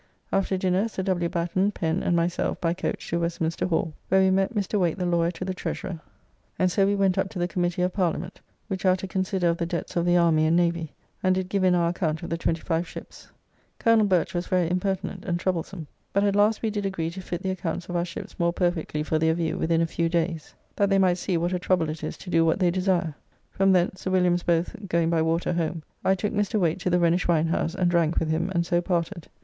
After dinner Sir W. Batten, Pen, and myself by coach to Westminster Hall, where we met Mr. Wayte the lawyer to the Treasurer, and so we went up to the Committee of Parliament, which are to consider of the debts of the Army and Navy, and did give in our account of the twenty five ships. Col. Birch was very impertinent and troublesome. But at last we did agree to fit the accounts of our ships more perfectly for their view within a few days, that they might see what a trouble it is to do what they desire. From thence Sir Williams both going by water home, I took Mr. Wayte to the Rhenish winehouse, and drank with him and so parted.